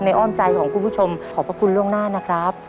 อ้อมใจของคุณผู้ชมขอบพระคุณล่วงหน้านะครับ